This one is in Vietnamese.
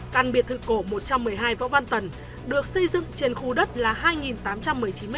căn biệt thự cổ một trăm một mươi hai võ văn tần được xây dựng trên khu đất là hai tám trăm một mươi chín m hai